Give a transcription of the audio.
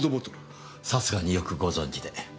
さすがによくご存じで。